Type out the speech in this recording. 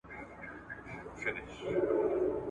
هغوی د ټولني له ستونزو سره مبارزه وکړه.